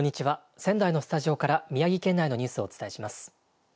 仙台のスタジオから宮城県内のニュースをお伝えします。